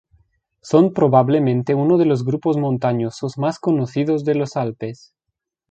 Son probablemente uno de los grupos montañosos más conocidos de los Alpes.